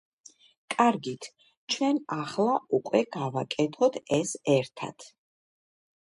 კარგით, ჩვენ ახლა უკვე გავაკეთოთ ეს ერთად.